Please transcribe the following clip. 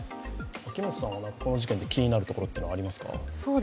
この事件で気になるところはありますか？